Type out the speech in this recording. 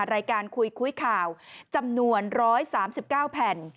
รายการคุยคุยข่าวจำนวน๑๓๙แผ่น